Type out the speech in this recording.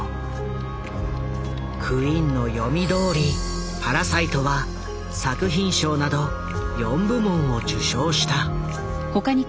クインの読みどおり「パラサイト」は作品賞など４部門を受賞した。